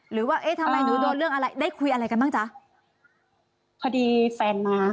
เอ๊ะทำไมหนูโดนเรื่องอะไรได้คุยอะไรกันบ้างจ๊ะพอดีแฟนมา